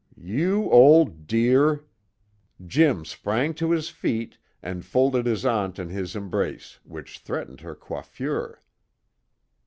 "You old dear!" Jim sprang to his feet and folded his aunt in his embrace which threatened her coiffure.